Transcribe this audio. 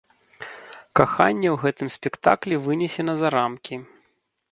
Каханне ў гэтым спектаклі вынесена за рамкі.